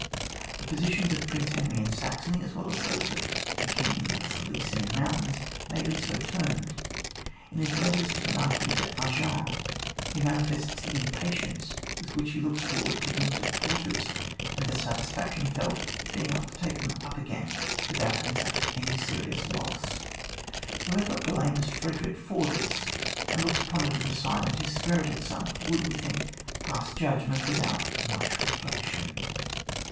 The positions of Prince Henry in Saxony, as well as those of the King in the Silesian mountains, may be so termed. In his letters to the Marquis d'Argens, he manifests the impatience with which he looks forward to winter quarters, and the satisfaction he felt at being able to take them up again with out having suffered any serious loss. Whoever blames Frederick for this, and looks upon it as a sign that his spirit had sunk, would, we think, pass judgment without much reflection.